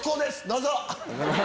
どうぞ！